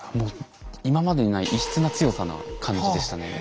今までにない異質な強さな感じでしたね。